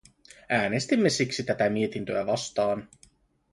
Äänestimme siksi tätä mietintöä vastaan.